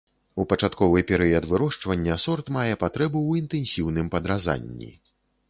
У пачатковы перыяд вырошчвання сорт мае патрэбу ў інтэнсіўным падразанні.